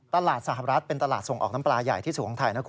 ตลาดสหรัฐเป็นตลาดส่งออกน้ำปลาใหญ่ที่สูงของไทยนะคุณ